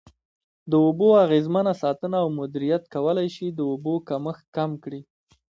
د اوبو اغیزمنه ساتنه او مدیریت کولای شي د اوبو کمښت کم کړي.